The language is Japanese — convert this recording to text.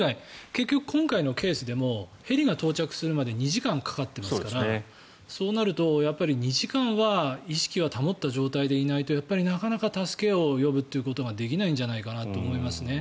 結局、今回のケースでもヘリが到着するまで２時間かかってますからそうなると、やっぱり２時間は意識は保った状態でいないとなかなか助けを呼ぶということができないと思います。